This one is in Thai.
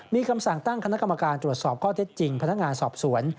มีคำสั่งตั้งคณะกรรมการตรวจสอบข้อเท็จจริงพนักงานสอบสวน